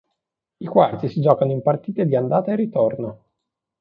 I quarti si giocano in partite di andata e ritorno.